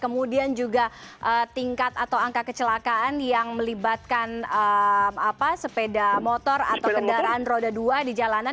kemudian juga tingkat atau angka kecelakaan yang melibatkan sepeda motor atau kendaraan roda dua di jalanan